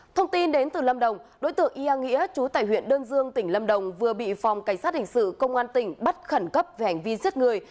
thông tin đến từ lâm đồng đối tượng ia nghĩa chú tài huyện đơn dương tỉnh lâm đồng vừa bị phòng cảnh sát hình sự công an tỉnh bắt khẩn cấp về hành vi giết người